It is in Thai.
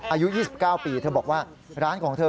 อายุ๒๙ปีเธอบอกว่าร้านของเธอ